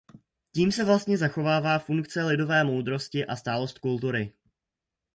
Tím se vlastně zachovává funkce lidové moudrosti a stálost kultury.